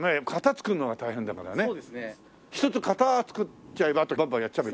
一つ型作っちゃえばあとバンバンやっちゃえば。